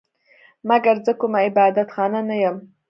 مګر زه کومه عبادت خانه نه یم